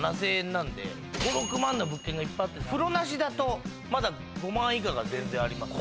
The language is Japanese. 今５６万の物件がいっぱいあって風呂なしだとまだ５万円以下が全然あります